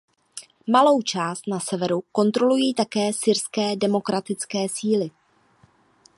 Malou část na severu kontrolují také Syrské demokratické síly.